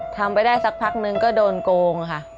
ทำไปได้สักพักนึงก็โดนโกงค่ะ